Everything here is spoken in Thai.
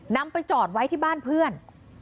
นำไปจอดไว้ที่บ้านเพื่อน